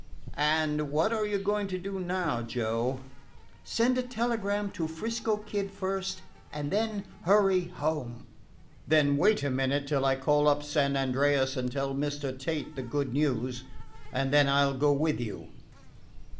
"And what are you going to do now, Joe?" "Send a telegram to 'Frisco Kid first, and then hurry home." "Then wait a minute till I call up San Andreas and tell Mr. Tate the good news, and then I 'll go with you."